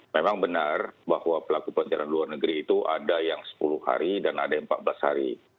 memang benar bahwa pelaku perjalanan luar negeri itu ada yang sepuluh hari dan ada yang empat belas hari